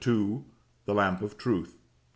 THE LAMP OF TRUTH. I.